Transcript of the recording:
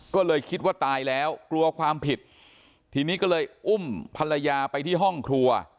ก็เลยคิดว่าตายแล้วกลัวความผิดทีนี้ก็เลยอุ้มภรรยาไปที่ห้องครัว